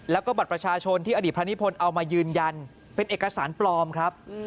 แล้วก็บัตรประชาชนที่อดีตพระนิพนธ์เอามายืนยันเป็นเอกสารปลอมครับ